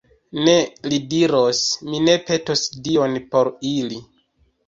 Ne, li diros, mi ne petos Dion por ili!